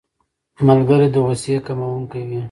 ملګری د غوسې کمونکی وي